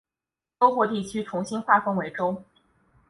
州或地区重新划分为州。